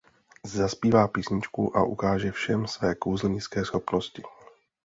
Zazpívá písničku a ukáže všem své kouzelnické schopnosti.